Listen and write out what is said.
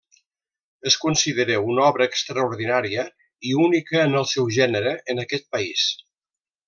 Es considera una obra extraordinària i única en el seu gènere en aquest país.